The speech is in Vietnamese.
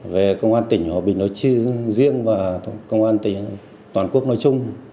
về công an tỉnh hòa bình nói riêng và công an tỉnh toàn quốc nói chung